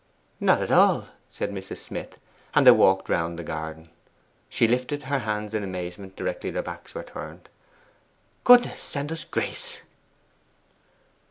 'Not at all,' said Mrs. Smith; and they walked round the garden. She lifted her hands in amazement directly their backs were turned. 'Goodness send us grace!